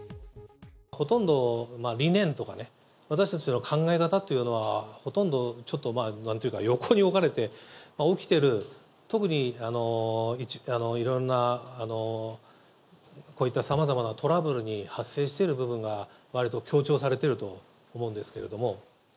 ほとんど理念とかね、私たちの考え方というのは、ほとんどちょっとまあ、なんというか横に置かれて、起きてる、特にいろんなこういったさまざまなトラブルに派生している部分がわりと強調されてると思うんですけども。